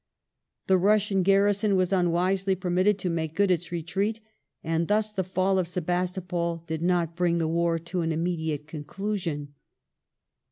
The Russian garrison was ^ unwisely permitted to make good its retreat, and thus the fall of Sebastopol did not bring the war to an immediate conclusion.